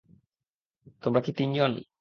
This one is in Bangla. তোমরা কি তিনজন?